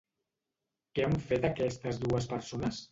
Què han fet aquestes dues persones?